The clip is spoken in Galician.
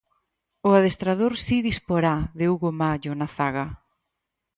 O adestrador si disporá de Hugo Mallo na zaga.